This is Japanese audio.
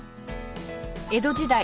江戸時代